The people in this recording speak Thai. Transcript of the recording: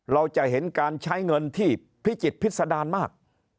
เราจะเห็นการใช้เงินที่พิจิตพิษดารมาก